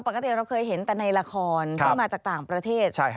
ปกติเราเคยเห็นแต่ในละครที่มาจากต่างประเทศ